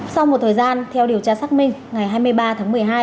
sau một thời gian theo điều tra xác minh ngày hai mươi ba tháng một mươi hai